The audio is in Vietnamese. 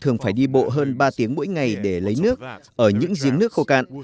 những người dân ở đây có thể đi bộ hơn ba tiếng mỗi ngày để lấy nước ở những diếng nước khô cạn